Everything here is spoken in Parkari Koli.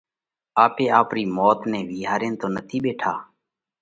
آپي آپرِي موت نئہ وِيهارينَ تو نٿِي ٻيٺا؟